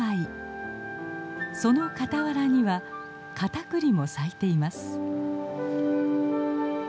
その傍らにはカタクリも咲いています。